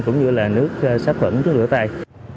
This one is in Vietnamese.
cũng như là nước sáp phẩm trước lửa tay